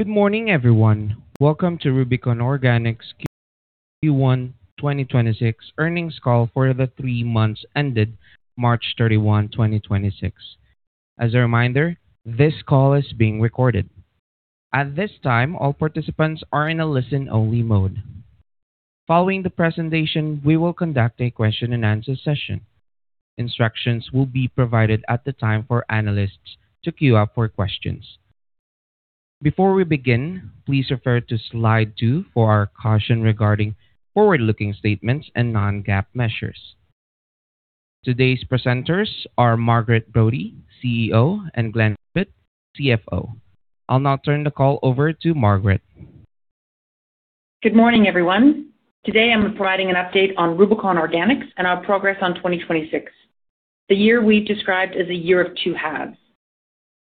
Good morning, everyone. Welcome to Rubicon Organics' Q1 2026 earnings call for the three months ended March 31, 2026. As a reminder, this call is being recorded. At this time, all participants are in a listen-only mode. Following the presentation, we will conduct a question and answer session. Instructions will be provided at the time for analysts to queue up for questions. Before we begin, please refer to slide two for our caution regarding forward-looking statements and non-GAAP measures. Today's presenters are Margaret Brodie, CEO, and Glen Ibbott, CFO. I'll now turn the call over to Margaret. Good morning, everyone. Today, I'm providing an update on Rubicon Organics and our progress on 2026, the year we've described as a year of two halves.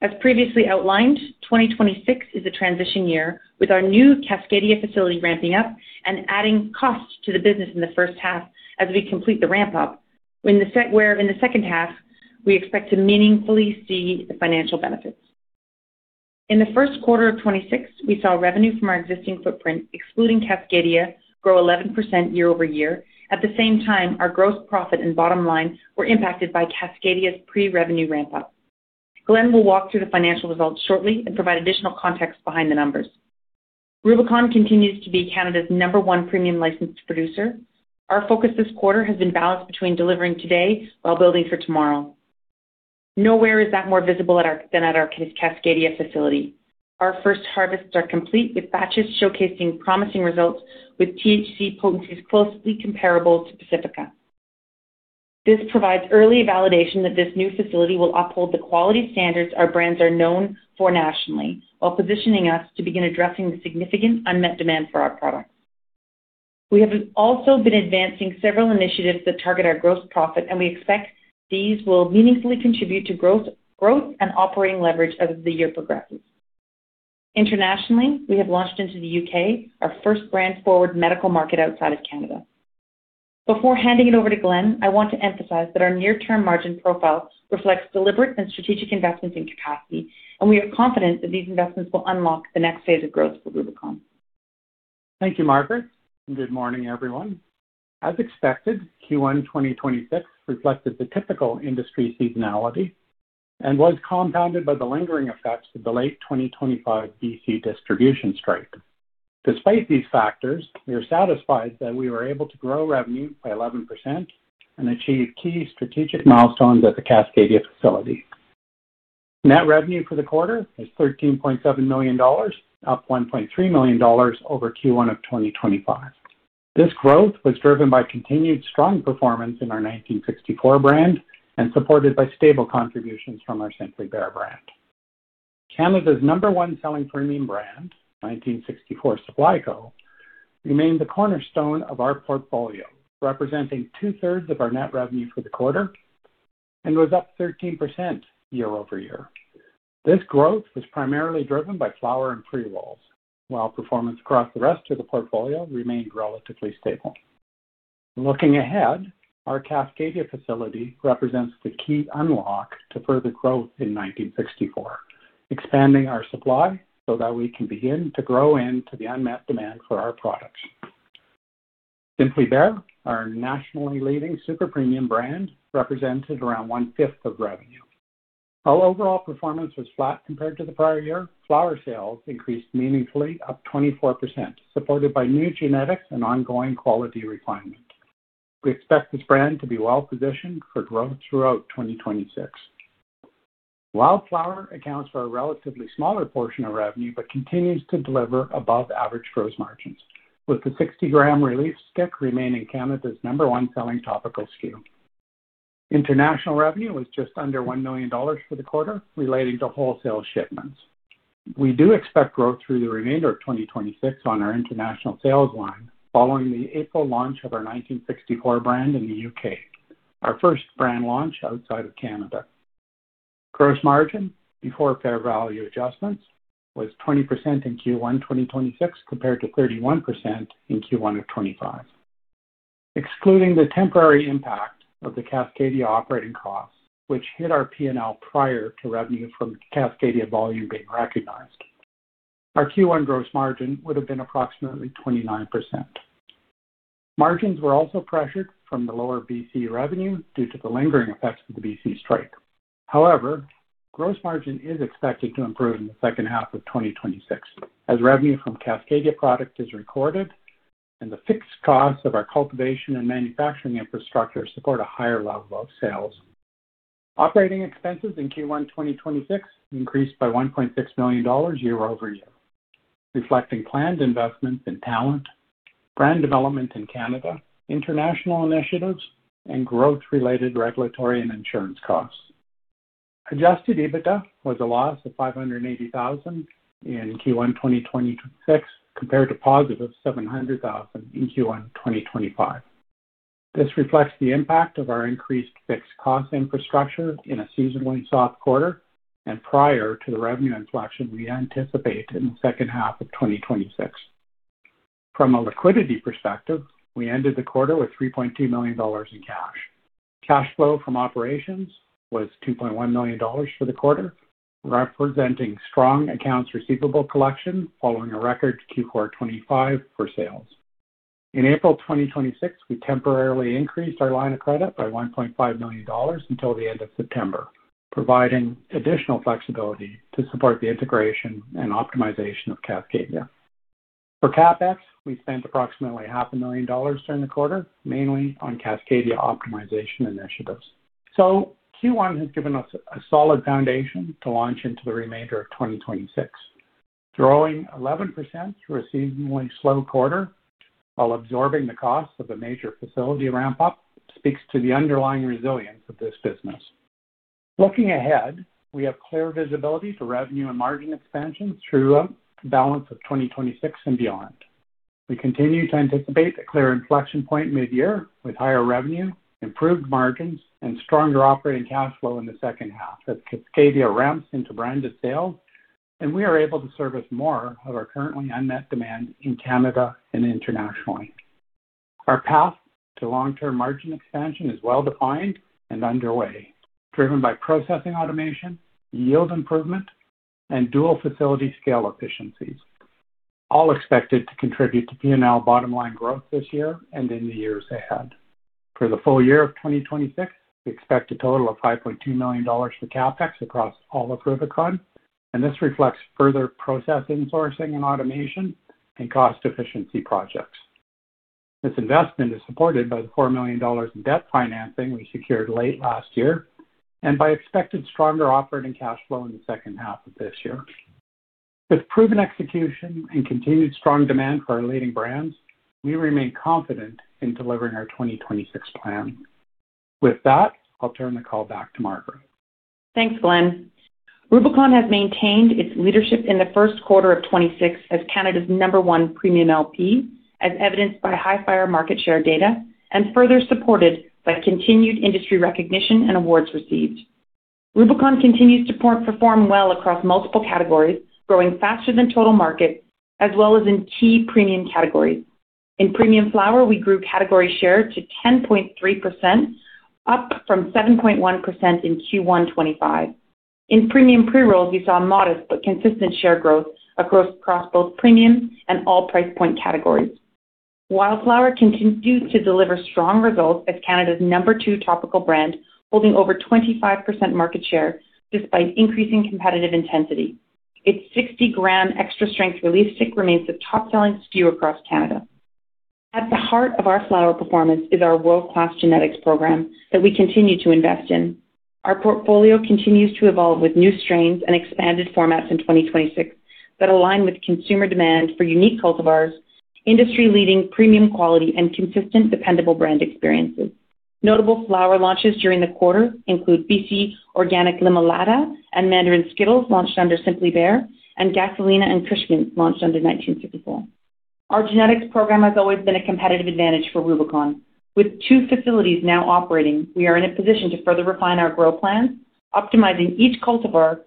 As previously outlined, 2026 is a transition year, with our new Cascadia facility ramping up and adding costs to the business in the first half as we complete the ramp up. Where in the second half, we expect to meaningfully see the financial benefits. In the first quarter of 2026, we saw revenue from our existing footprint, excluding Cascadia, grow 11% year-over-year. At the same time, our gross profit and bottom line were impacted by Cascadia's pre-revenue ramp-up. Glen will walk through the financial results shortly and provide additional context behind the numbers. Rubicon continues to be Canada's number one premium licensed producer. Our focus this quarter has been balanced between delivering today while building for tomorrow. Nowhere is that more visible than at our Cascadia facility. Our first harvests are complete, with batches showcasing promising results with THC potencies closely comparable to Pacifica. This provides early validation that this new facility will uphold the quality standards our brands are known for nationally while positioning us to begin addressing the significant unmet demand for our products. We have also been advancing several initiatives that target our gross profit, and we expect these will meaningfully contribute to growth and operating leverage as the year progresses. Internationally, we have launched into the U.K. our first brand-forward medical market outside of Canada. Before handing it over to Glen Ibbott, I want to emphasize that our near-term margin profile reflects deliberate and strategic investments in capacity, and we are confident that these investments will unlock the next phase of growth for Rubicon. Thank you, Margaret. Good morning, everyone. As expected, Q1 2026 reflected the typical industry seasonality and was compounded by the lingering effects of the late 2025 BC distribution strike. Despite these factors, we are satisfied that we were able to grow revenue by 11% and achieve key strategic milestones at the Pacifica facility. Net revenue for the quarter is 13.7 million dollars, up 1.3 million dollars over Q1 of 2025. This growth was driven by continued strong performance in our 1964 brand and supported by stable contributions from our Simply Bare brand. Canada's number one selling premium brand, 1964 Supply Co., remained the cornerstone of our portfolio, representing 2/3 of our net revenue for the quarter and was up 13% year-over-year. This growth was primarily driven by flower and pre-rolls, while performance across the rest of the portfolio remained relatively stable. Looking ahead, our Pacifica facility represents the key unlock to further growth in 1964, expanding our supply so that we can begin to grow into the unmet demand for our products. Simply Bare, our nationally leading super premium brand, represented around one-fifth of revenue. While overall performance was flat compared to the prior year, flower sales increased meaningfully, up 24%, supported by new genetics and ongoing quality refinement. We expect this brand to be well-positioned for growth throughout 2026. Wildflower accounts for a relatively smaller portion of revenue but continues to deliver above-average gross margins, with the 60-gram relief stick remaining Canada's number one selling topical SKU. International revenue was just under one million dollars for the quarter, relating to wholesale shipments. We do expect growth through the remainder of 2026 on our international sales line following the April launch of our 1964 brand in the U.K., our first brand launch outside of Canada. Gross margin before fair value adjustments was 20% in Q1 2026, compared to 31% in Q1 2025. Excluding the temporary impact of the Cascadia operating costs, which hit our P and L prior to revenue from Cascadia volume being recognized, our Q1 gross margin would have been approximately 29%. Margins were also pressured from the lower B.C. revenue due to the lingering effects of the B.C. strike. However, gross margin is expected to improve in the second half of 2026 as revenue from Cascadia product is recorded and the fixed costs of our cultivation and manufacturing infrastructure support a higher level of sales. Operating expenses in Q1 2026 increased by 1.6 million dollars year-over-year, reflecting planned investments in talent, brand development in Canada, international initiatives, and growth-related regulatory and insurance costs. Adjusted EBITDA was a loss of 580,000 in Q1 2026, compared to positive 700,000 in Q1 2025. This reflects the impact of our increased fixed cost infrastructure in a seasonally soft quarter and prior to the revenue inflection we anticipate in the second half of 2026. From a liquidity perspective, we ended the quarter with 3.2 million dollars in cash. Cash flow from operations was 2.1 million dollars for the quarter, representing strong accounts receivable collection following a record Q4 2025 for sales. In April 2026, we temporarily increased our line of credit by 1.5 million dollars until the end of September, providing additional flexibility to support the integration and optimization of Cascadia. For CapEx, we spent approximately CAD half a million dollars during the quarter, mainly on Cascadia optimization initiatives. Q1 has given us a solid foundation to launch into the remainder of 2026. Growing 11% through a seasonally slow quarter while absorbing the cost of a major facility ramp-up speaks to the underlying resilience of this business. Looking ahead, we have clear visibility for revenue and margin expansion through balance of 2026 and beyond. We continue to anticipate a clear inflection point mid-year with higher revenue, improved margins, and stronger operating cash flow in the second half as Cascadia ramps into branded sales, and we are able to service more of our currently unmet demand in Canada and internationally. Our path to long-term margin expansion is well-defined and underway, driven by processing automation, yield improvement, and dual facility scale efficiencies, all expected to contribute to P and L bottom line growth this year and in the years ahead. For the full- year of 2026, we expect a total of 5.2 million dollars for CapEx across all of Rubicon, and this reflects further process insourcing and automation and cost efficiency projects. This investment is supported by the four million dollars in debt financing we secured late last year, and by expected stronger operating cash flow in the second half of this year. With proven execution and continued strong demand for our leading brands, we remain confident in delivering our 2026 plan. With that, I'll turn the call back to Margaret. Thanks, Glen. Rubicon has maintained its leadership in the first quarter of 2026 as Canada's number 1 premium LP, as evidenced by Hifyre market share data, and further supported by continued industry recognition and awards received. Rubicon continues to perform well across multiple categories, growing faster than total market as well as in key premium categories. In premium flower, we grew category share to 10.3%, up from 7.1% in Q1 2025. In premium pre-rolls, we saw modest but consistent share growth across both premium and all price point categories. Wildflower continues to deliver strong results as Canada's number two topical brand, holding over 25% market share despite increasing competitive intensity. Its 60-gram extra strength relief stick remains the top-selling SKU across Canada. At the heart of our flower performance is our world-class genetics program that we continue to invest in. Our portfolio continues to evolve with new strains and expanded formats in 2026 that align with consumer demand for unique cultivars, industry-leading premium quality, and consistent, dependable brand experiences. Notable flower launches during the quarter include BC Organic Limonada and Mandarin Zkittlez, launched under Simply Bare, and Gasolina and Kush Mints, launched under 1964. Our genetics program has always been a competitive advantage for Rubicon. With two facilities now operating, we are in a position to further refine our grow plans, optimizing each cultivar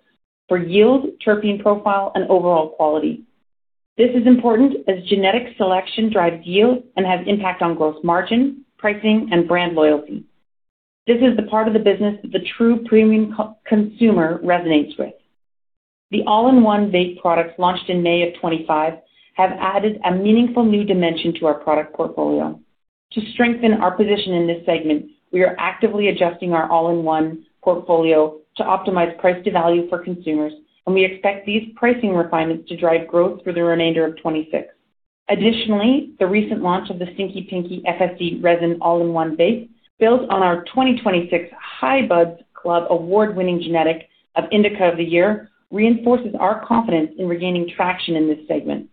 for yield, terpene profile, and overall quality. This is important as genetic selection drives yield and has impact on gross margin, pricing, and brand loyalty. This is the part of the business that the true premium consumer resonates with. The all-in-one vape products launched in May of 2025 have added a meaningful new dimension to our product portfolio. To strengthen our position in this segment, we are actively adjusting our all-in-one portfolio to optimize price to value for consumers. We expect these pricing refinements to drive growth for the remainder of 2026. The recent launch of the Stinky Pinky FSE Resin all-in-one vape, built on our 2026 High Buds Club award-winning genetic of Indica of the Year, reinforces our confidence in regaining traction in this segment.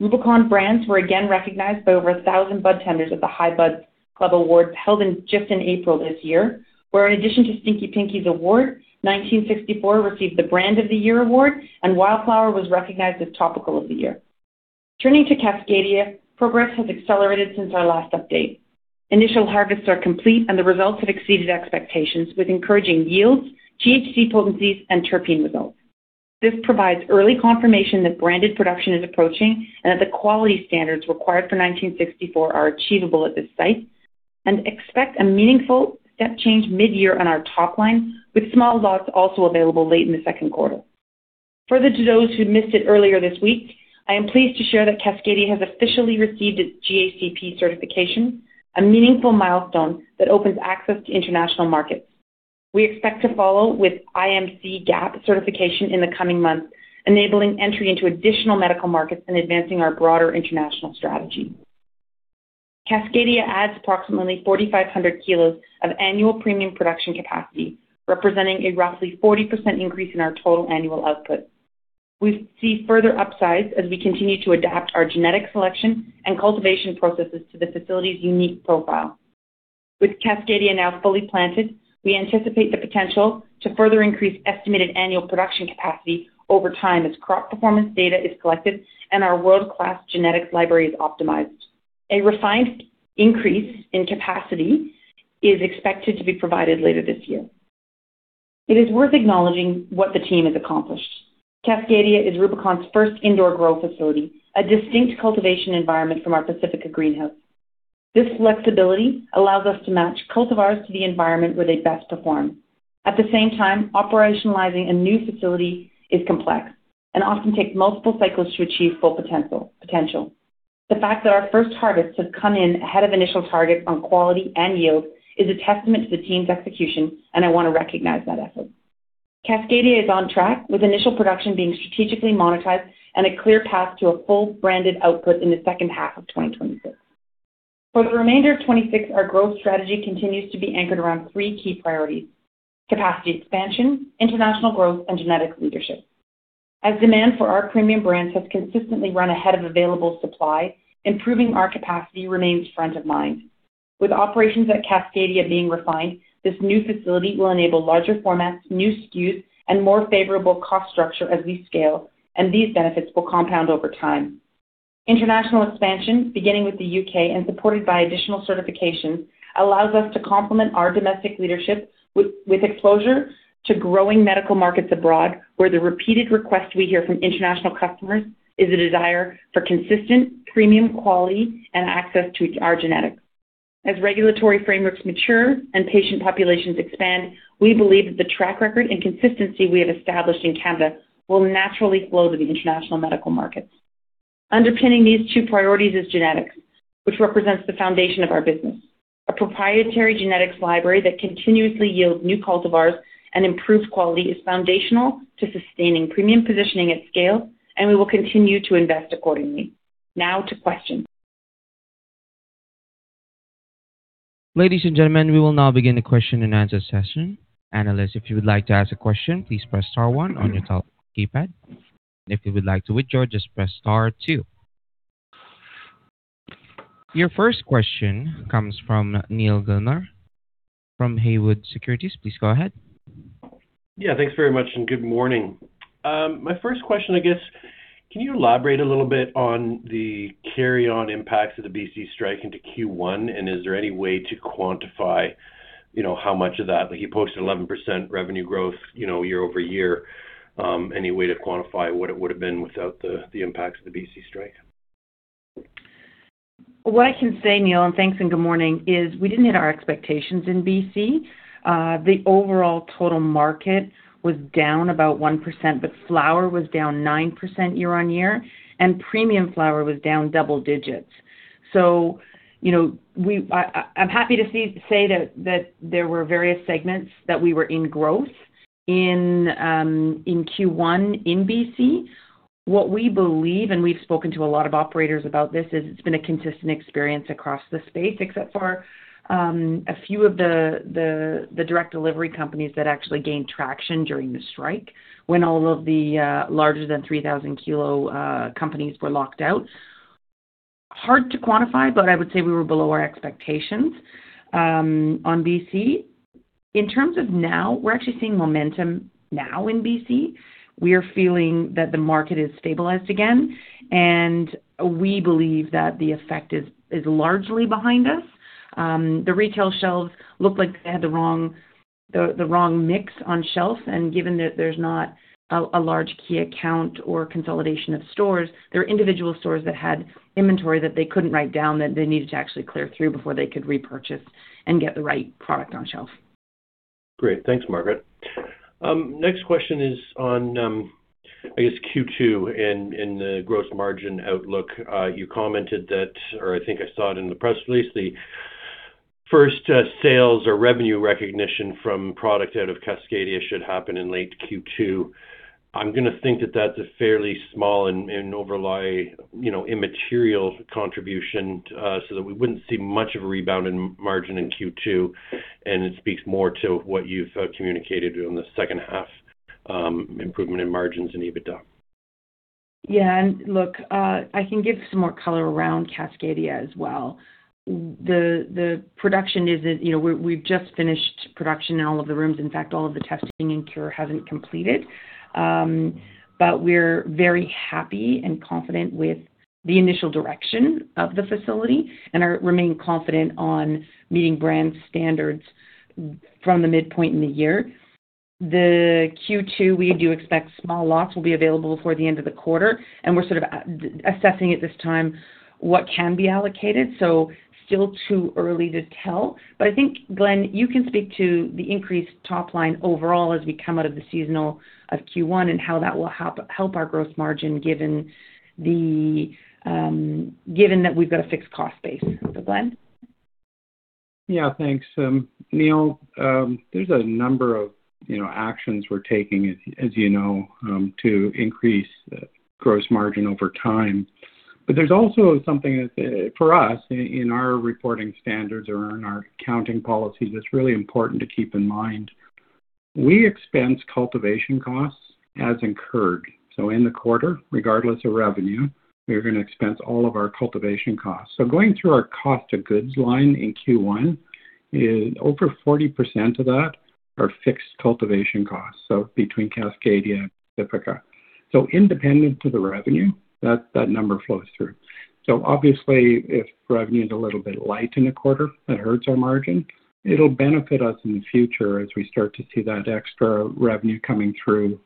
Rubicon brands were again recognized by over 1,000 budtenders at the High Buds Club Awards held in April this year, where in addition to Stinky Pinky's award, 1964 received the Brand of the Year award, and Wildflower was recognized as Topical of the Year. Turning to Cascadia, progress has accelerated since our last update. Initial harvests are complete, and the results have exceeded expectations with encouraging yields, THC potencies, and terpene results. This provides early confirmation that branded production is approaching and that the quality standards required for 1964 are achievable at this site, and expect a meaningful step change mid-year on our top line, with small lots also available late in the 2nd quarter. Further to those who missed it earlier this week, I am pleased to share that Pacifica has officially received its GACP certification, a meaningful milestone that opens access to international markets. We expect to follow with IMC-GAP certification in the coming months, enabling entry into additional medical markets and advancing our broader international strategy. Pacifica adds approximately 4,500 kilos of annual premium production capacity, representing a roughly 40% increase in our total annual output. We see further upsides as we continue to adapt our genetic selection and cultivation processes to the facility's unique profile. With Cascadia now fully planted, we anticipate the potential to further increase estimated annual production capacity over time as crop performance data is collected and our world-class genetics library is optimized. A refined increase in capacity is expected to be provided later this year. It is worth acknowledging what the team has accomplished. Cascadia is Rubicon's first indoor growth facility, a distinct cultivation environment from our Pacifica greenhouse. This flexibility allows us to match cultivars to the environment where they best perform. At the same time, operationalizing a new facility is complex and often takes multiple cycles to achieve full potential. The fact that our first harvest has come in ahead of initial target on quality and yield is a testament to the team's execution, and I wanna recognize that effort. Cascadia is on track with initial production being strategically monetized and a clear path to a full branded output in the second half of 2026. For the remainder of 2026, our growth strategy continues to be anchored around three key priorities. Capacity expansion, international growth, and genetic leadership. As demand for our premium brands has consistently run ahead of available supply, improving our capacity remains front of mind. With operations at Cascadia being refined, this new facility will enable larger formats, new SKUs, and more favorable cost structure as we scale, and these benefits will compound over time. International expansion, beginning with the U.K. and supported by additional certification, allows us to complement our domestic leadership with exposure to growing medical markets abroad, where the repeated request we hear from international customers is a desire for consistent premium quality and access to our genetics. As regulatory frameworks mature and patient populations expand, we believe that the track record and consistency we have established in Canada will naturally flow to the international medical markets. Underpinning these two priorities is genetics, which represents the foundation of our business. A proprietary genetics library that continuously yields new cultivars and improved quality is foundational to sustaining premium positioning at scale, and we will continue to invest accordingly. Now to questions. Ladies and gentlemen, we will now begin the question and answer session. Analysts, if you would like to ask a question, please press star one on your telephone keypad. If you would like to withdraw, just press star two. Your first question comes from Neal Gilmer from Haywood Securities. Please go ahead. Yeah, thanks very much. Good morning. My first question, I guess, can you elaborate a little bit on the carry on impacts of the B.C. strike into Q1? Is there any way to quantify, you know, how much of that? Like, you posted 11% revenue growth, you know, year-over-year. Any way to quantify what it would have been without the impacts of the B.C. strike? What I can say, Neal, and thanks and good morning, is we didn't hit our expectations in B.C. The overall total market was down about 1%, but flower was down 9% year-over-year, and premium flower was down double digits. You know, I'm happy to say that there were various segments that we were in growth in Q1 in B.C. What we believe, and we've spoken to a lot of operators about this, is it's been a consistent experience across the space, except for a few of the direct delivery companies that actually gained traction during the strike when all of the larger than 3,000 kilo companies were locked out. Hard to quantify, but I would say we were below our expectations on B.C. In terms of now, we're actually seeing momentum now in BC. We are feeling that the market is stabilized again, and we believe that the effect is largely behind us. The retail shelves look like they had the wrong mix on shelves. Given that there's not a large key account or consolidation of stores, there are individual stores that had inventory that they couldn't write down that they needed to actually clear through before they could repurchase and get the right product on shelf. Great. Thanks, Margaret. Next question is on, I guess Q2 and the gross margin outlook. You commented that, or I think I saw it in the press release, the first sales or revenue recognition from product out of Cascadia should happen in late Q2. I'm gonna think that that's a fairly small and overly, you know, immaterial contribution, so that we wouldn't see much of a rebound in margin in Q2, and it speaks more to what you've communicated on the second half improvement in margins and EBITDA. I can give some more color around Cascadia as well. We've just finished production in all of the rooms. In fact, all of the testing and cure hasn't completed. We're very happy and confident with the initial direction of the facility and are remaining confident on meeting brand standards from the midpoint in the year. The Q2, we do expect small lots will be available before the end of the quarter. We're sort of assessing at this time what can be allocated. Still too early to tell, but I think, Glen, you can speak to the increased top line overall as we come out of the seasonal of Q1 and how that will help our growth margin given the given that we've got a fixed cost base. Glen. Yeah, thanks. Neal, there's a number of, you know, actions we're taking, as you know, to increase gross margin over time. But there's also something that for us in our reporting standards or in our accounting policies that's really important to keep in mind. We expense cultivation costs as incurred. In the quarter, regardless of revenue, we're gonna expense all of our cultivation costs. Going through our cost of goods line in Q1 is over 40% of that are fixed cultivation costs between Cascadia and Pacifica. Independent to the revenue, that number flows through. Obviously, if revenue is a little bit light in a quarter, that hurts our margin. It'll benefit us in the future as we start to see that extra revenue coming through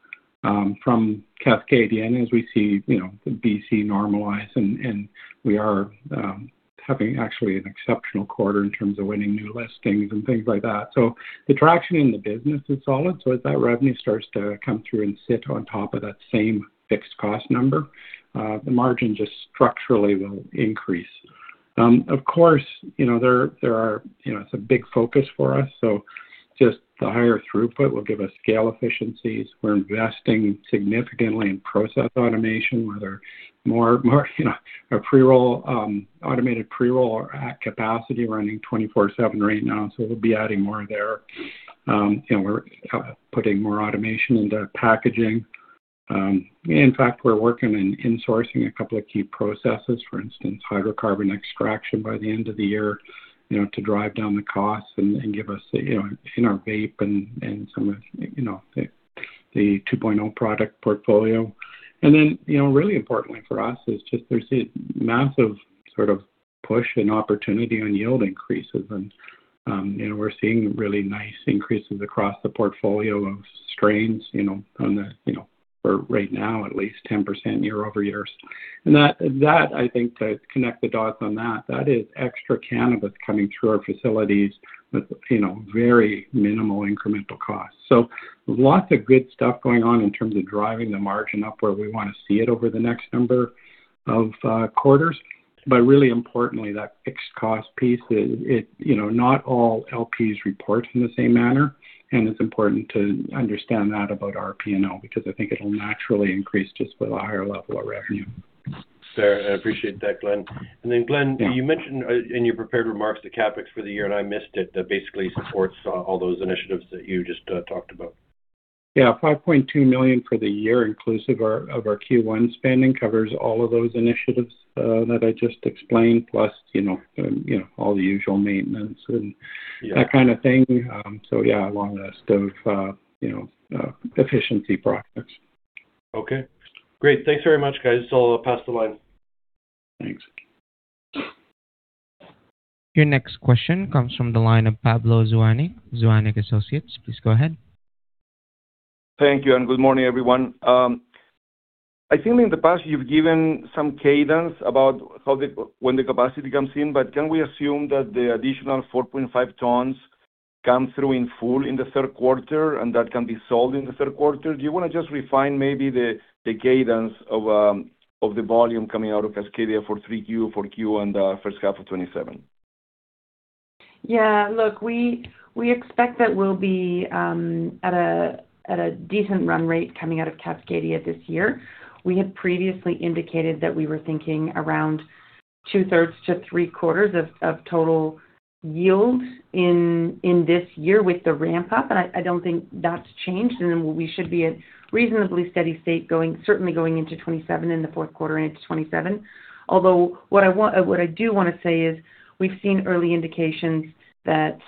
from Cascadia as we see BC normalize, we are having actually an exceptional quarter in terms of winning new listings and things like that. The traction in the business is solid. As that revenue starts to come through and sit on top of that same fixed cost number, the margin just structurally will increase. Of course, it's a big focus for us, just the higher throughput will give us scale efficiencies. We're investing significantly in process automation, where there are more, our pre-roll, automated pre-roll are at capacity running 24/7 right now. We'll be adding more there. We're putting more automation into our packaging. In fact, we're working in insourcing a couple of key processes, for instance, hydrocarbon extraction by the end of the year, you know, to drive down the costs and give us, you know, in our vape and some of, you know, the 2.0 product portfolio. You know, really importantly for us is just there's a massive sort of push and opportunity on yield increases and, you know, we're seeing really nice increases across the portfolio of strains, you know, on the, you know, for right now, at least 10% year-over-year. That I think to connect the dots on that is extra cannabis coming through our facilities with, you know, very minimal incremental cost. Lots of good stuff going on in terms of driving the margin up where we wanna see it over the next number of quarters. Really importantly, that fixed cost piece is. You know, not all LPs report in the same manner, and it's important to understand that about our P and L because I think it'll naturally increase just with a higher level of revenue. Fair. I appreciate that, Glen. Yeah. You mentioned in your prepared remarks, the CapEx for the year, and I missed it, that basically supports all those initiatives that you just talked about. Yeah, 5.2 million for the year inclusive of our Q1 spending covers all of those initiatives, that I just explained, plus, you know, you know, all the usual maintenance and. Yeah. -that kind of thing. Yeah, a long list of, you know, efficiency projects. Okay, great. Thanks very much, guys. I'll pass the line. Thanks. Your next question comes from the line of Pablo Zuanic, Zuanic & Associates. Please go ahead. Thank you. Good morning, everyone. I think in the past, you've given some cadence about when the capacity comes in. Can we assume that the additional 4.5 tons come through in full in the third quarter, and that can be sold in the third quarter? Do you wanna just refine maybe the cadence of the volume coming out of Cascadia for 3Q, 4Q and first half of 2027? Yeah. Look, we expect that we'll be at a decent run rate coming out of Pacifica this year. We had previously indicated that we were thinking around two-thirds to three-quarters of total yield in this year with the ramp-up, and I don't think that's changed. We should be at reasonably steady state certainly going into 2027, in the fourth quarter into 2027. What I do wanna say is we've seen early indications that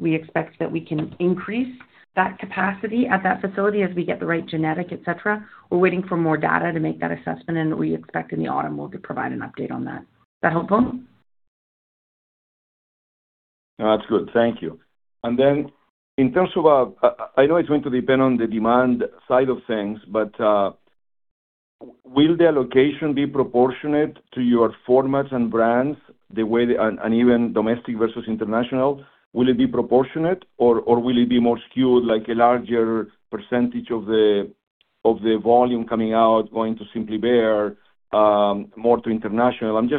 we expect that we can increase that capacity at that facility as we get the right genetics, et cetera. We're waiting for more data to make that assessment, and we expect in the autumn we'll provide an update on that. Is that helpful? No, that's good. Thank you. In terms of, I know it's going to depend on the demand side of things, will the allocation be proportionate to your formats and brands the way even domestic versus international? Will it be proportionate or will it be more skewed like a larger percentage of the volume coming out going to Simply Bare, more to international? I'm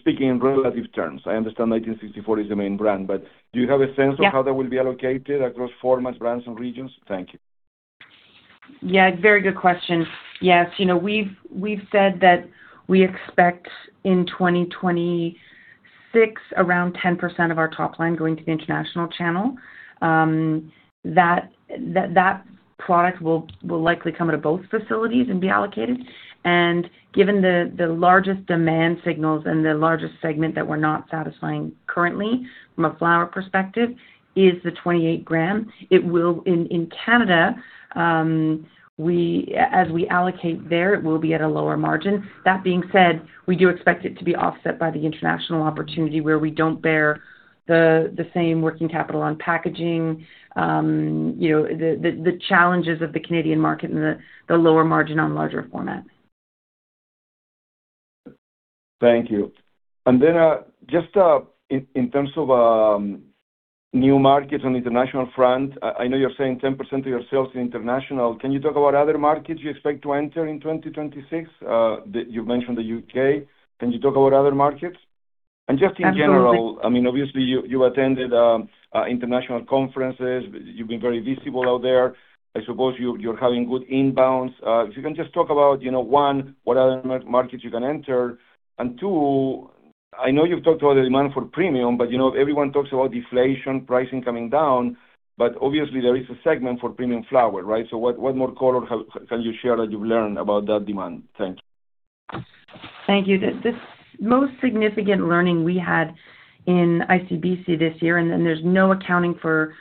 speaking in relative terms. I understand 1964 is the main brand, but do you have a sense of that? Yeah. How that will be allocated across formats, brands and regions? Thank you. Yeah, very good question. Yes. You know, we've said that we expect in 2026 around 10% of our top line going to the international channel, that product will likely come out of both facilities and be allocated. Given the largest demand signals and the largest segment that we're not satisfying currently from a flower perspective is the 28 gram. In Canada, as we allocate there, it will be at a lower margin. That being said, we do expect it to be offset by the international opportunity where we don't bear the same working capital on packaging, you know, the challenges of the Canadian market and the lower margin on larger format. Thank you. In terms of new markets on the international front, I know you're saying 10% of your sales are international. Can you talk about other markets you expect to enter in 2026? You mentioned the U.K. Can you talk about other markets? Absolutely. I mean, obviously you attended international conferences. You've been very visible out there. I suppose you're having good inbounds. If you can just talk about, you know, one, what other markets you can enter. Two, I know you've talked about the demand for premium, you know, everyone talks about deflation pricing coming down, obviously there is a segment for premium flower, right? What more color can you share that you've learned about that demand? Thank you. Thank you. The most significant learning we had in ICBC this year, and then there's no accounting for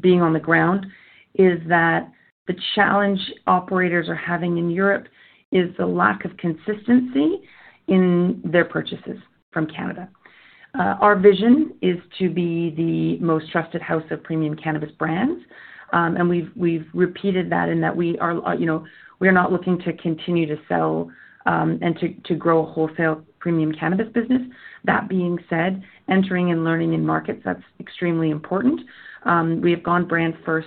being on the ground, is that the challenge operators are having in Europe is the lack of consistency in their purchases from Canada. Our vision is to be the most trusted house of premium cannabis brands. We've repeated that in that we are, you know, we are not looking to continue to sell and to grow a wholesale premium cannabis business. That being said, entering and learning in markets, that's extremely important. We have gone brand first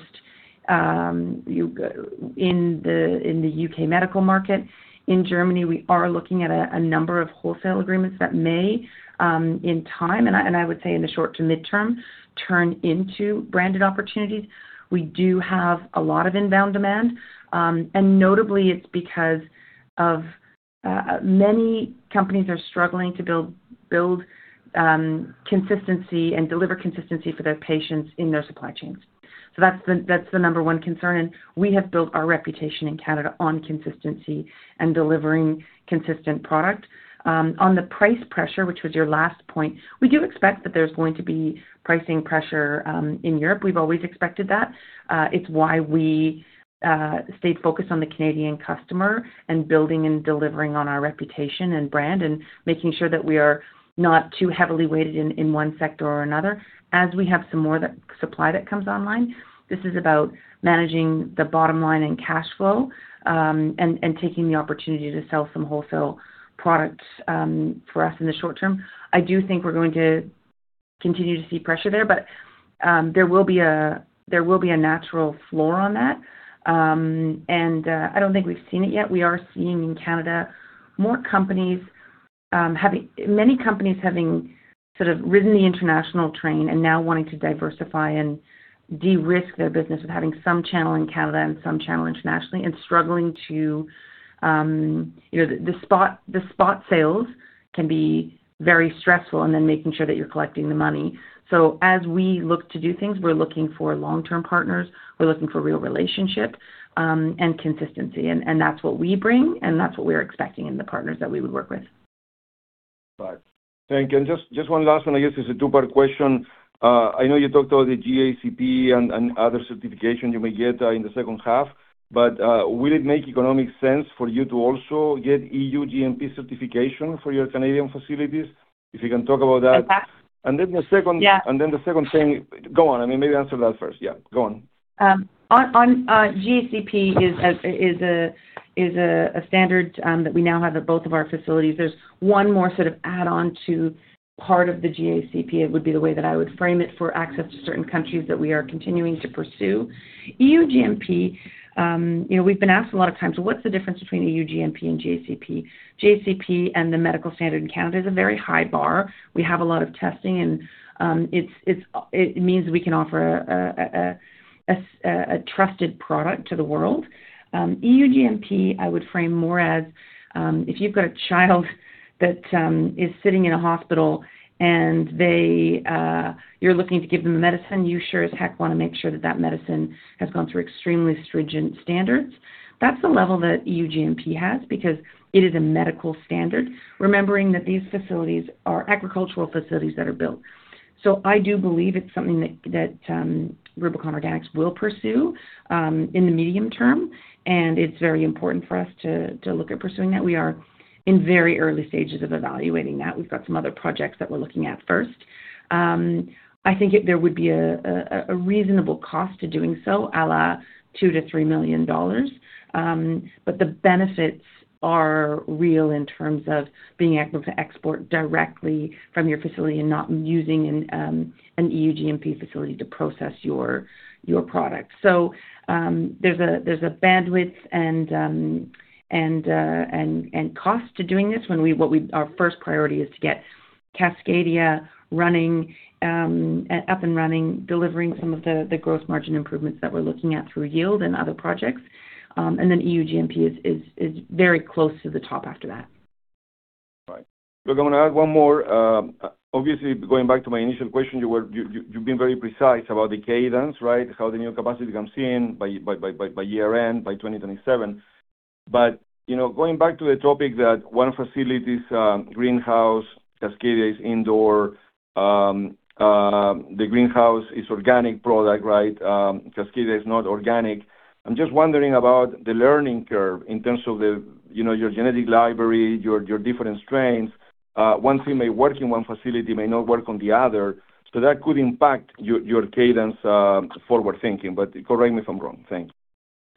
in the U.K. medical market. In Germany, we are looking at a number of wholesale agreements that may, in time, and I would say in the short to midterm, turn into branded opportunities. We do have a lot of inbound demand. Notably it's because many companies are struggling to build consistency and deliver consistency for their patients in their supply chains. That's the number one concern. We have built our reputation in Canada on consistency and delivering consistent product. On the price pressure, which was your last point, we do expect that there's going to be pricing pressure in Europe. We've always expected that. It's why we stayed focused on the Canadian customer and building and delivering on our reputation and brand and making sure that we are not too heavily weighted in one sector or another. As we have some more that supply that comes online, this is about managing the bottom line and cash flow, and taking the opportunity to sell some wholesale products, for us in the short- term. I do think we're going to continue to see pressure there, but, there will be a natural floor on that. I don't think we've seen it yet. We are seeing in Canada more companies, many companies having sort of ridden the international train and now wanting to diversify and de-risk their business with having some channel in Canada and some channel internationally and struggling to, you know, the spot sales can be very stressful, and then making sure that you're collecting the money. As we look to do things, we're looking for long-term partners. We're looking for real relationships, and consistency, and that's what we bring, and that's what we're expecting in the partners that we would work with. Right. Thank you. Just one last one. I guess it's a two-part question. I know you talked about the GACP and other certification you may get, in the second half, but, will it make economic sense for you to also get EU GMP certification for your Canadian facilities? If you can talk about that. Exactly. And then the second- Yeah. Then the second thing Go on. I mean, maybe answer that first. Yeah, go on. GACP is a standard that we now have at both of our facilities. There's one more sort of add-on to part of the GACP, it would be the way that I would frame it, for access to certain countries that we are continuing to pursue. EU GMP, you know, we've been asked a lot of times, "Well, what's the difference between EU GMP and GACP?" GACP and the medical standard in Canada is a very high bar. We have a lot of testing, it means we can offer a trusted product to the world. EU GMP, I would frame more as, if you've got a child that is sitting in a hospital and they, you're looking to give them a medicine, you sure as heck wanna make sure that that medicine has gone through extremely stringent standards. That's the level that EU GMP has because it is a medical standard, remembering that these facilities are agricultural facilities that are built. I do believe it's something that Rubicon Organics will pursue in the medium term, and it's very important for us to look at pursuing that. We are in very early stages of evaluating that. We've got some other projects that we're looking at first. I think it there would be a reasonable cost to doing so, a la 2 million-three million dollars, but the benefits are real in terms of being able to export directly from your facility and not using an EU GMP facility to process your product. There's a bandwidth and cost to doing this when our first priority is to get Cascadia running, up and running, delivering some of the growth margin improvements that we're looking at through yield and other projects. And then EU GMP is very close to the top after that. Right. Look, I'm going to add one more. Obviously, going back to my initial question, you've been very precise about the cadence, right? How the new capacity comes in by year-end, by 2027. You know, going back to the topic that one facility is greenhouse, Cascadia is indoor, the greenhouse is organic product, right? Cascadia is not organic. I'm just wondering about the learning curve in terms of the, you know, your genetic library, your different strains. One thing may work in one facility, may not work on the other. So that could impact your cadence, forward thinking. Correct me if I'm wrong. Thank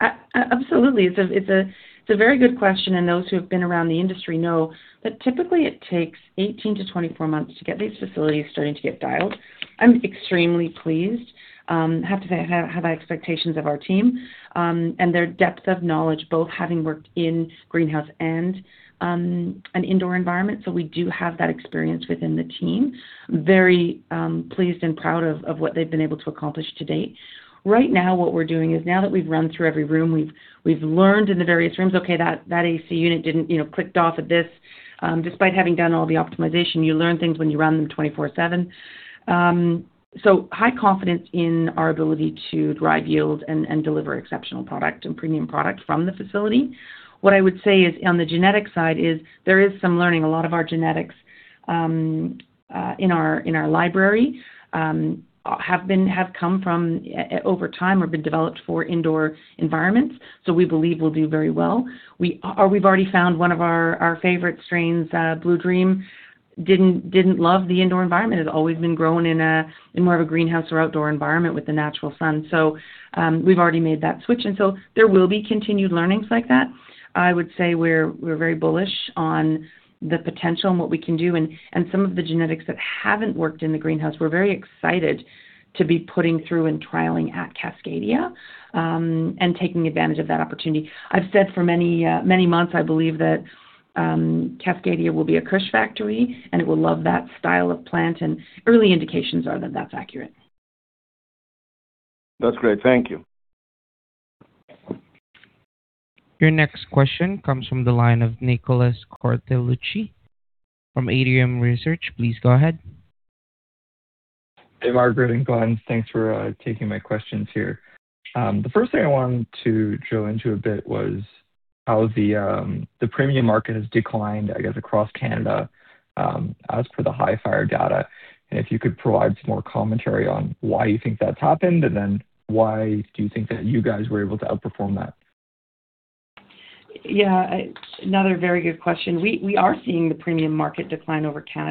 you. Absolutely. It's a very good question, those who have been around the industry know that typically it takes 18 to 24 months to get these facilities starting to get dialed. I'm extremely pleased. I have to say, had high expectations of our team, and their depth of knowledge, both having worked in greenhouse and an indoor environment. We do have that experience within the team. Very pleased and proud of what they've been able to accomplish to date. Right now, what we're doing is now that we've run through every room, we've learned in the various rooms, okay, that AC unit despite having done all the optimization, you learn things when you run them 24/7. High confidence in our ability to drive yield and deliver exceptional product and premium product from the facility. What I would say is, on the genetic side is there is some learning. A lot of our genetics in our library have come from over time or been developed for indoor environments, we believe will do very well. We've already found one of our favorite strains, Blue Dream, didn't love the indoor environment. It had always been grown in more of a greenhouse or outdoor environment with the natural sun. We've already made that switch, there will be continued learnings like that. I would say we're very bullish on the potential and what we can do and some of the genetics that haven't worked in the greenhouse, we're very excited to be putting through and trialing at Cascadia, and taking advantage of that opportunity. I've said for many, many months, I believe that Cascadia will be a Kush factory, and it will love that style of plant, and early indications are that that's accurate. That's great. Thank you. Your next question comes from the line of Nicholas Cortellucci from Atrium Research. Please go ahead. Hey, Margaret and Glen Ibbott. Thanks for taking my questions here. The first thing I wanted to drill into a bit was how the premium market has declined, I guess, across Canada, as per the Hifyre data. If you could provide some more commentary on why you think that's happened, why do you think that you guys were able to outperform that? Yeah. Another very good question. We are seeing the premium market decline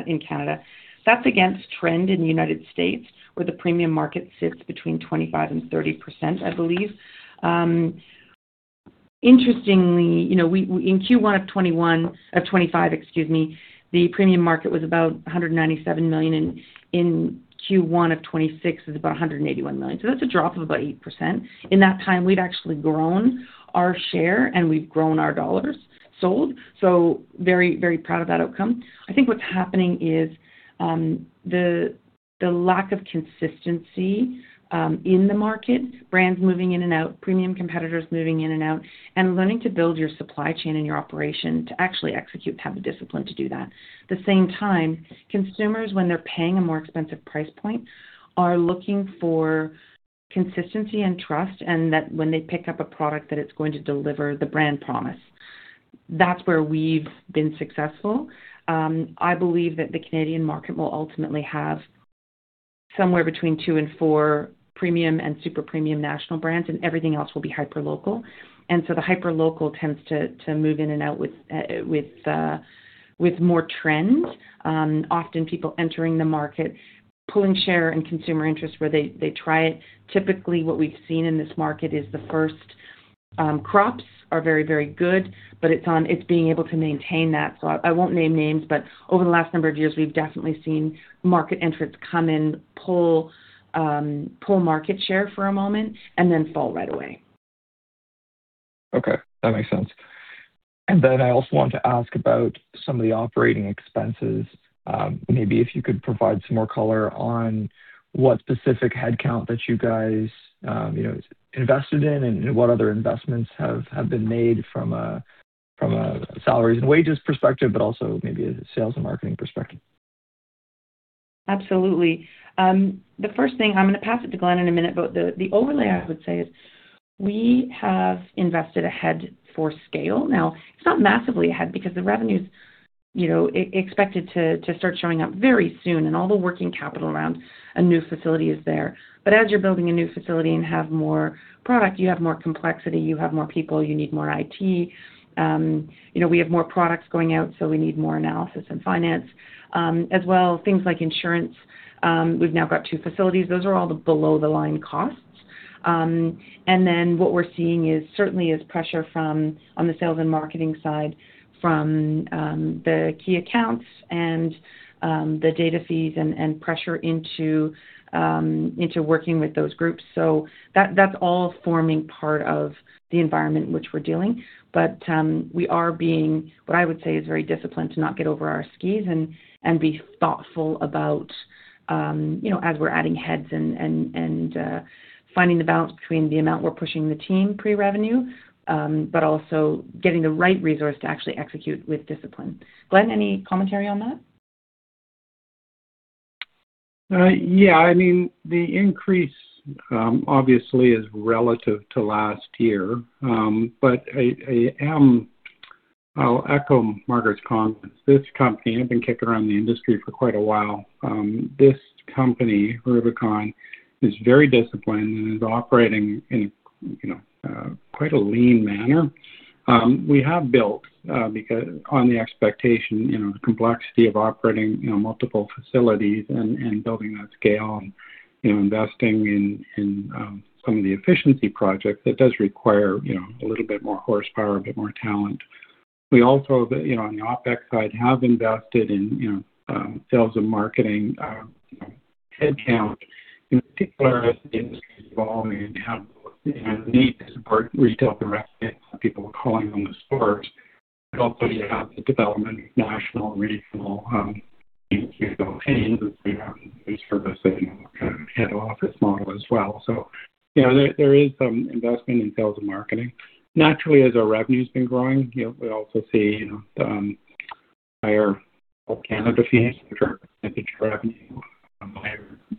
in Canada. That's against trend in the U.S., where the premium market sits between 25% and 30%, I believe. Interestingly, you know, we in Q1 of 2025, excuse me, the premium market was about 197 million, and in Q1 of 2026, it was about 181 million. That's a drop of about 8%. In that time, we've actually grown our share, and we've grown our dollars sold, so very, very proud of that outcome. I think what's happening is the lack of consistency in the market, brands moving in and out, premium competitors moving in and out, and learning to build your supply chain and your operation to actually execute and have the discipline to do that. The same time, consumers, when they're paying a more expensive price point, are looking for consistency and trust and that when they pick up a product that it's going to deliver the brand promise. That's where we've been successful. I believe that the Canadian market will ultimately have somewhere between two and four premium and super premium national brands, and everything else will be hyperlocal. The hyperlocal tends to move in and out with more trends. Often people entering the market pulling share and consumer interest where they try it. Typically, what we've seen in this market is the first crops are very good, but it's on being able to maintain that. I won't name names, but over the last number of years, we've definitely seen market entrants come in, pull market share for a moment and then fall right away. Okay. That makes sense. Then I also want to ask about some of the operating expenses. Maybe if you could provide some more color on what specific headcount that you guys, you know, invested in and what other investments have been made from a salaries and wages perspective, but also maybe a sales and marketing perspective. Absolutely. The first thing, I'm gonna pass it to Glen in a minute, but the overlay I would say is we have invested ahead for scale. It's not massively ahead because the revenues, you know, expected to start showing up very soon and all the working capital around a new facility is there. As you're building a new facility and have more product, you have more complexity, you have more people, you need more IT. You know, we have more products going out, we need more analysis in finance. As well, things like insurance. We've now got two facilities. Those are all the below the line costs. What we're seeing is certainly is pressure from, on the sales and marketing side from, the key accounts and the data fees and pressure into working with those groups. That's all forming part of the environment in which we're dealing. We are being, what I would say, is very disciplined to not get over our skis and be thoughtful about, you know, as we're adding heads and finding the balance between the amount we're pushing the team pre-revenue, but also getting the right resource to actually execute with discipline. Glen, any commentary on that? Yeah. I mean, the increase obviously is relative to last year. I'll echo Margaret's comments. This company, I've been kicking around the industry for quite a while. This company, Rubicon, is very disciplined and is operating in quite a lean manner. We have built because on the expectation, the complexity of operating multiple facilities and building that scale and investing in some of the efficiency projects, it does require a little bit more horsepower, a bit more talent. We also on the OpEx side have invested in sales and marketing headcount. In particular, as the industry is evolving and have, you know, the need to support retail direct people calling them the stores, also you have the development of national and regional, you know, any industry, you know, repurposing kind of head office model as well. You know, there is some investment in sales and marketing. Naturally, as our revenue's been growing, you know, we also see, you know, the higher Canada fees, which are a % of revenue. We have additional facility, that sort of thing. Glen,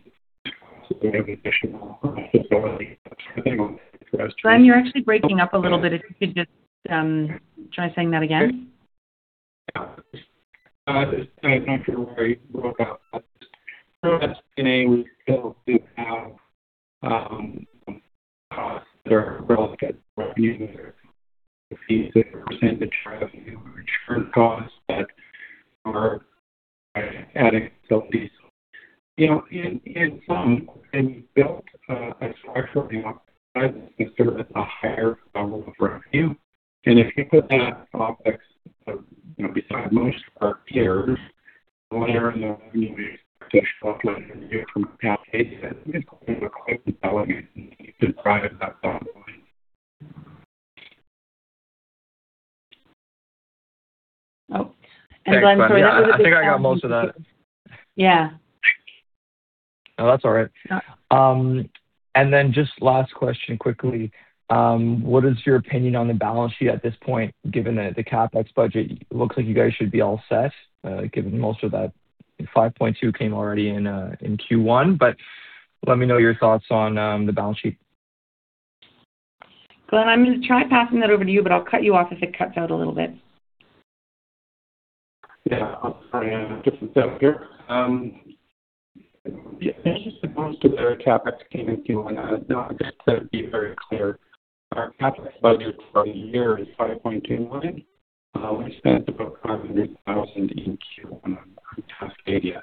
you're actually breaking up a little bit. If you could just try saying that again. Yeah. I'm not sure where you broke up. We still do have costs that are relative to revenue. They're fees that are percentage of revenue, return costs that are adding to fees. You know, in sum, we built a structure and optimized it to serve at a higher level of revenue. If you put that context, you know, beside most of our peers, the layer of new additional revenue from Cascadia, I think it's quite compelling and you can drive that bottom line. Oh. Thanks, buddy. I think I got most of that. Yeah. No, that's all right. Yeah. Just last question quickly, what is your opinion on the balance sheet at this point, given that the CapEx budget looks like you guys should be all set, given most of that 5.2 came already in Q1. Let me know your thoughts on the balance sheet. Glen, I'm gonna try passing that over to you, but I'll cut you off if it cuts out a little bit. Yeah. I'll try and get this out here. As it relates to their CapEx came in Q1, no, I guess I'd be very clear. Our CapEx budget for the year is 5.2 million. We spent about 500,000 in Q1 on Cascadia.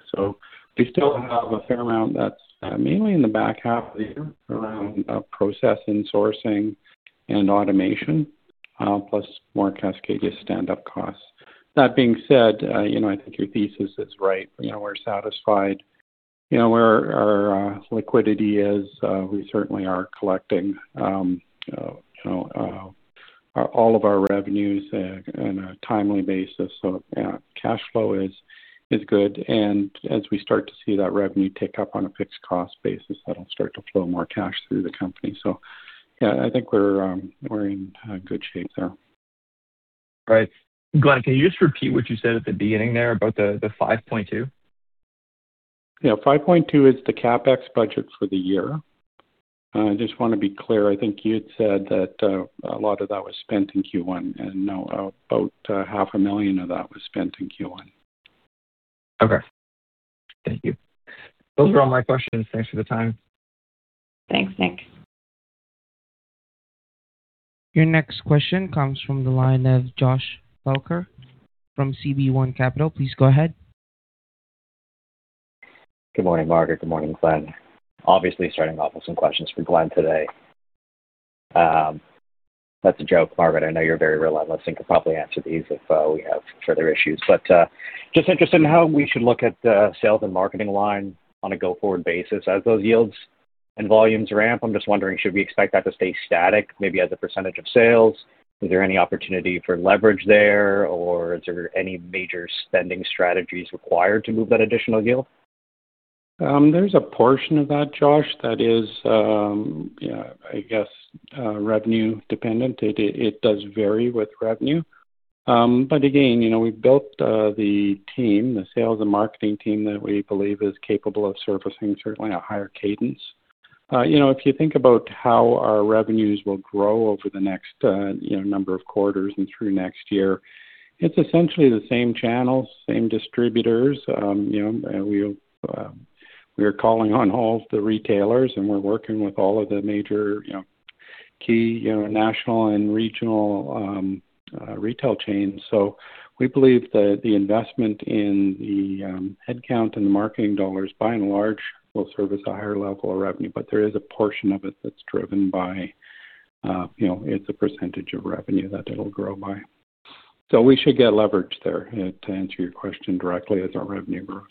We still have a fair amount that's mainly in the back half of the year around process and sourcing and automation, plus more Cascadia standup costs. That being said, you know, I think your thesis is right. You know, we're satisfied, you know, where our liquidity is. We certainly are collecting, you know, all of our revenues on a timely basis. Cash flow is good. As we start to see that revenue tick up on a fixed cost basis, that'll start to flow more cash through the company. Yeah, I think we're in good shape there. Right. Glen, can you just repeat what you said at the beginning there about the 5.2? Yeah, 5.2 is the CapEx budget for the year. I just want to be clear, I think you had said that a lot of that was spent in Q1, no, about CAD half a million of that was spent in Q1. Okay. Thank you. Yeah. Those were all my questions. Thanks for the time. Thanks, Nick. Your next question comes from the line of Josh Felker from CB1 Capital. Please go ahead. Good morning, Margaret. Good morning, Glen. Obviously, starting off with some questions for Glen today. That's a joke, Margaret. I know you're very relentless and could probably answer these if we have further issues. Just interested in how we should look at the sales and marketing line on a go-forward basis. As those yields and volumes ramp, I'm just wondering, should we expect that to stay static, maybe as a % of sales? Is there any opportunity for leverage there, or is there any major spending strategies required to move that additional yield? There's a portion of that, Josh, that is, I guess, revenue dependent. It does vary with revenue. Again, you know, we built the team, the sales and marketing team that we believe is capable of servicing certainly a higher cadence. You know, if you think about how our revenues will grow over the next, you know, number of quarters and through next year, it's essentially the same channels, same distributors. You know, and we're calling on all of the retailers, and we're working with all of the major, you know, key, you know, national and regional retail chains. We believe the investment in the headcount and the marketing dollars, by and large, will service a higher level of revenue. There is a portion of it that's driven by, you know, it's a percentage of revenue that it'll grow by. We should get leverage there, to answer your question directly, as our revenue grows.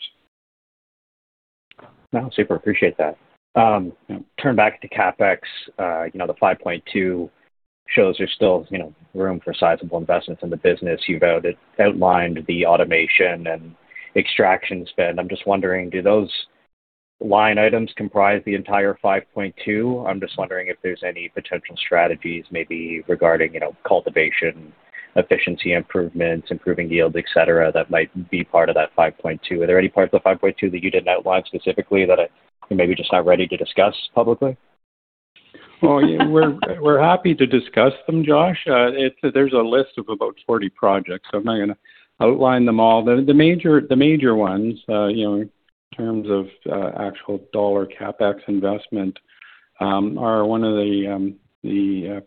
No, super appreciate that. Turn back to CapEx. You know, the 5.2 shows there's still, you know, room for sizable investments in the business. You've outlined the automation and extraction spend. I'm just wondering, do those line items comprise the entire 5.2? I'm just wondering if there's any potential strategies maybe regarding, you know, cultivation, efficiency improvements, improving yield, et cetera, that might be part of that 5.2. Are there any parts of the 5.2 that you didn't outline specifically that you're maybe just not ready to discuss publicly? Well, yeah, we're happy to discuss them, Josh. There's a list of about 40 projects, so I'm not gonna outline them all. The major ones, you know, in terms of actual dollar CapEx investment, are 1 of the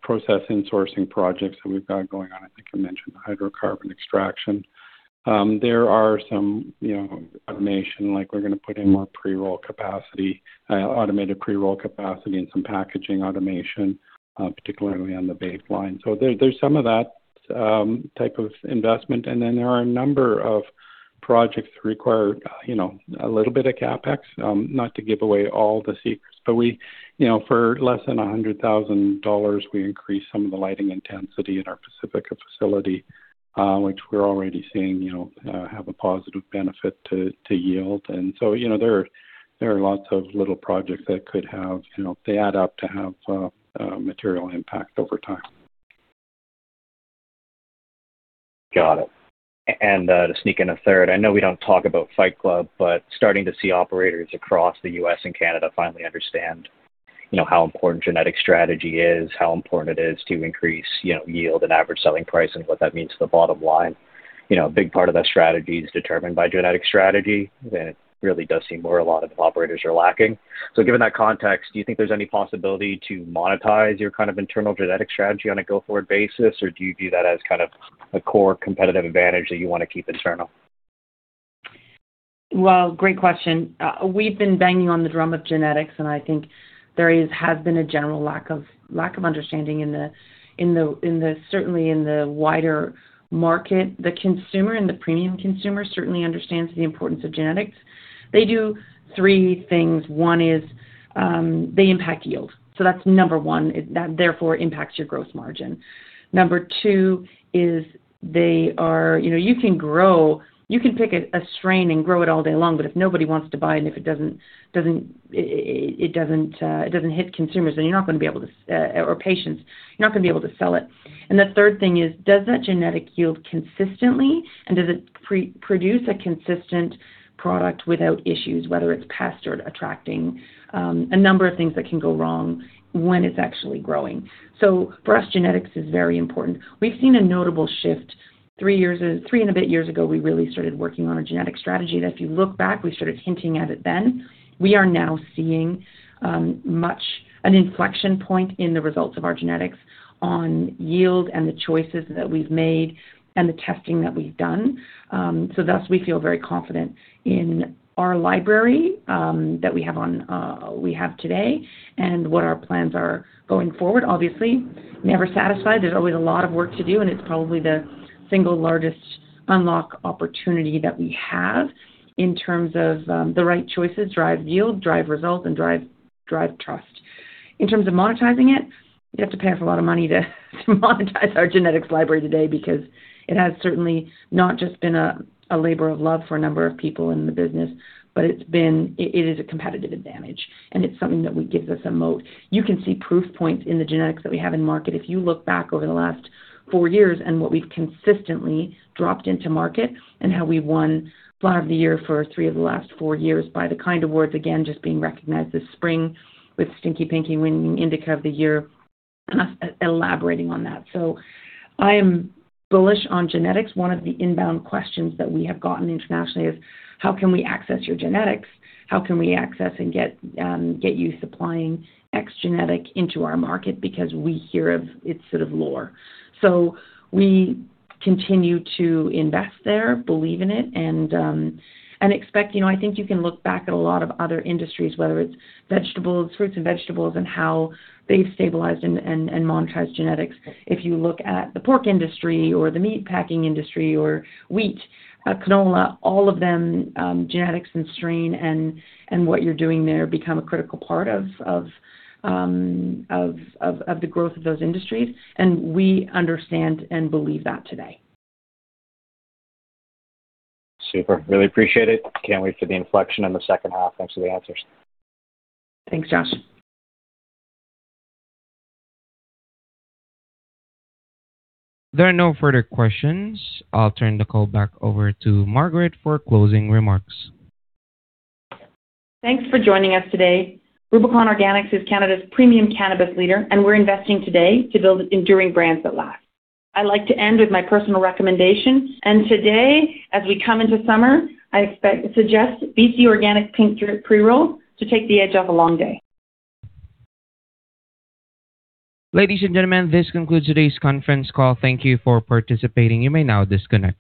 process insourcing projects that we've got going on. I think I mentioned the hydrocarbon extraction. There are some, you know, automation, like we're gonna put in more pre-roll capacity, automated pre-roll capacity and some packaging automation, particularly on the vape line. There's some of that type of investment. There are a number of projects require, you know, a little bit of CapEx, not to give away all the secrets. We, you know, for less than 100,000 dollars, we increased some of the lighting intensity in our Pacifica facility, which we're already seeing, you know, have a positive benefit to yield. You know, there are lots of little projects that could have, you know, they add up to have a material impact over time. Got it. To sneak in a third, I know we don't talk about Fight Club, but starting to see operators across the U.S. and Canada finally understand, you know, how important genetic strategy is, how important it is to increase, you know, yield and average selling price and what that means to the bottom line. You know, a big part of that strategy is determined by genetic strategy, and it really does seem where a lot of operators are lacking. Given that context, do you think there's any possibility to monetize your kind of internal genetic strategy on a go-forward basis, or do you view that as kind of a core competitive advantage that you wanna keep internal? Well, great question. We've been banging on the drum of genetics. I think there has been a general lack of understanding in the, certainly in the wider market. The consumer and the premium consumer certainly understands the importance of genetics. They do three things. One is, they impact yield. That's number one. That therefore impacts your growth margin. Number two is they are You know, you can pick a strain and grow it all day long. If nobody wants to buy it and if it doesn't hit consumers, or patients, you're not gonna be able to sell it. The third thing is, does that genetic yield consistently, and does it pre-produce a consistent product without issues, whether it's pest or attracting, a number of things that can go wrong when it's actually growing. For us, genetics is very important. We've seen a notable shift. three and a bit years ago, we really started working on a genetic strategy that if you look back, we started hinting at it then. We are now seeing much an inflection point in the results of our genetics on yield and the choices that we've made and the testing that we've done. Thus, we feel very confident in our library that we have on, we have today and what our plans are going forward. Obviously, never satisfied. There's always a lot of work to do, and it's probably the single largest unlock opportunity that we have in terms of the right choices, drive yield, drive results, and drive trust. In terms of monetizing it, you'd have to pay us a lot of money to monetize our genetics library today because it has certainly not just been a labor of love for a number of people in the business, but it is a competitive advantage, and it's something that we gives us a moat. You can see proof points in the genetics that we have in market. If you look back over the last four years and what we've consistently dropped into market and how we won Flower of the Year for three of the last four years by the kind words, again, just being recognized this spring with Stinky Pinky winning Indica of the Year. I am bullish on genetics. One of the inbound questions that we have gotten internationally is: How can we access your genetics? How can we access and get you supplying X genetic into our market because we hear of its sort of lore? We continue to invest there, believe in it, and expect, you know I think you can look back at a lot of other industries, whether it's vegetables, fruits and vegetables, and how they've stabilized and monetized genetics. If you look at the pork industry or the meat packing industry or wheat, canola, all of them, genetics and strain and what you're doing there become a critical part of the growth of those industries. We understand and believe that today. Super. Really appreciate it. Can't wait for the inflection in the second half. Thanks for the answers. Thanks, Josh. There are no further questions. I'll turn the call back over to Margaret for closing remarks. Thanks for joining us today. Rubicon Organics is Canada's premium cannabis leader, and we're investing today to build enduring brands that last. I'd like to end with my personal recommendation. Today, as we come into summer, I suggest BC Organic Pink Pre-Roll to take the edge off a long day. Ladies and gentlemen, this concludes today's conference call. Thank you for participating. You may now disconnect.